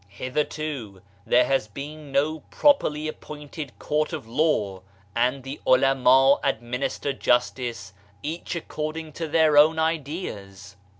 Hitherto there has been no properly appointed court of law, and the ulama administer justice, each according to their own ideas.